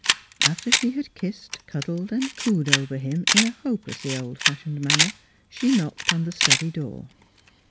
After she had kissed, cuddled, and cooed over him in a hopelessly old fashioned manner, she knocked on the study door.